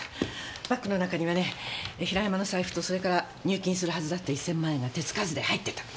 バッグの中にはね平山の財布とそれから入金するはずだった１千万円が手つかずで入ってた。